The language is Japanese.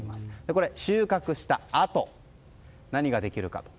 これ、収穫したあと何ができるか。